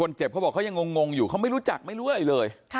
ไซมินคนเจ็บเค้าบอกเค้ายังงงอยู่เค้าไม่รู้จักไม่ร่วยเลย